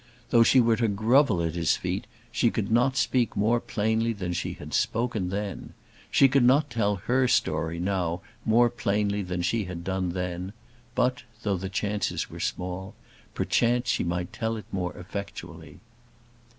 Though she were to grovel at his feet she could not speak more plainly than she had spoken then. She could not tell her story now more plainly than she had done then; but, though the chances were small, perchance she might tell it more effectually.